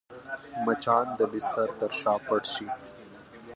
مچان د بستر تر شا پټ شي